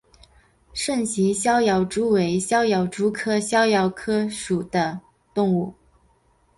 肾形逍遥蛛为逍遥蛛科逍遥蛛属的动物。